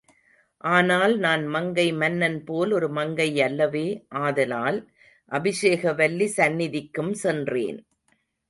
ஆனால் நான் மங்கை மன்னன் போல் ஒரு மங்கை அல்லவே, ஆதலால் அபிஷேகவல்லி சந்நிதிக்கும் சென்றேன்.